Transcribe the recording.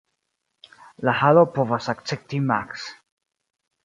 La halo povas akcepti maks.